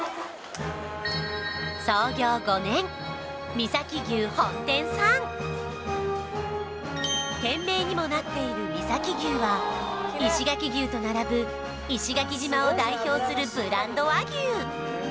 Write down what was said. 美崎牛本店さん店名にもなっている美崎牛は石垣牛と並ぶ石垣島を代表するブランド和牛